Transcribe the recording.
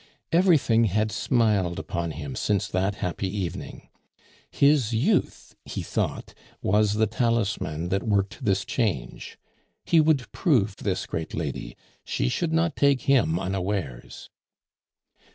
Everything had smiled upon him since that happy evening; his youth, he thought, was the talisman that worked this change. He would prove this great lady; she should not take him unawares.